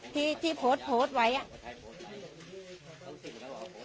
ที่ที่โพสต์โพสต์ไว้อ่ะ